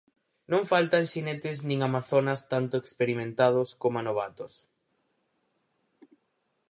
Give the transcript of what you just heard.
Non faltan xinetes nin amazonas tanto experimentados coma novatos.